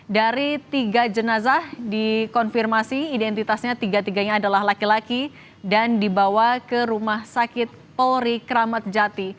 dari tiga jenazah dikonfirmasi identitasnya tiga tiganya adalah laki laki dan dibawa ke rumah sakit polri kramat jati